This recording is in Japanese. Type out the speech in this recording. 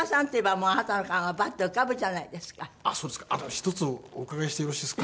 一つお伺いしてよろしいですか？